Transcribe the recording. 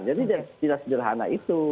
jadi tidak sejurhana itu